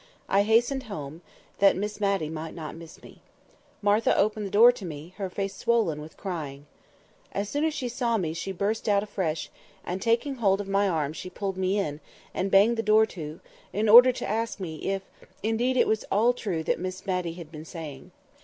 I hastened home, that Miss Matty might not miss me. Martha opened the door to me, her face swollen with crying. As soon as she saw me she burst out afresh, and taking hold of my arm she pulled me in, and banged the door to, in order to ask me if indeed it was all true that Miss Matty had been saying.